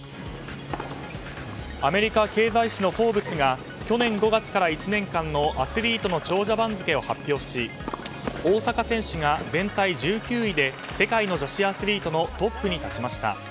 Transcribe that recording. アメリカ経済誌の「フォーブス」が去年５月から１年間のアスリートの長者番付を発表し大坂選手が全体１９位で世界の女子アスリートのトップに立ちました。